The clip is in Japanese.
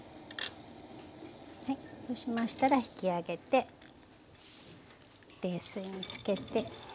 そうしましたら引き上げて冷水につけて。